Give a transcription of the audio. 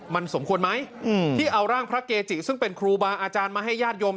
มันสมควรไหมที่เอาร่างพระเกจิซึ่งเป็นครูบาอาจารย์มาให้ญาติโยม